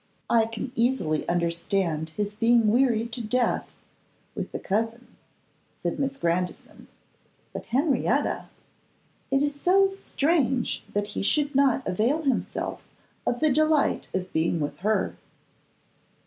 I can easily understand his being wearied to death with a cousin,' said Miss Grandison; 'but Henrietta, it is so strange that he should not avail himself of the delight of being with her.